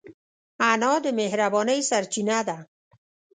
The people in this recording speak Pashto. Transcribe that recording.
انا د مهربانۍ سرچینه ده